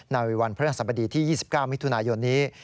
นาวิวัลพระนักศัพท์บดีที่๒๙มิถุนายนนี้